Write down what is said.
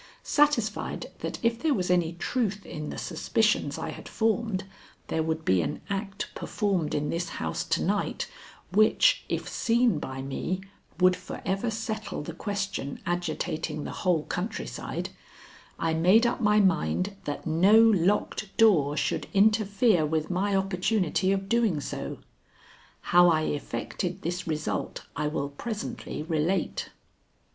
Satisfied that if there was any truth in the suspicions I had formed, there would be an act performed in this house to night which, if seen by me, would forever settle the question agitating the whole countryside, I made up my mind that no locked door should interfere with my opportunity of doing so. How I effected this result I will presently relate.